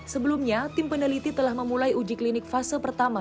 sebelumnya tim peneliti telah memulai uji klinik fase pertama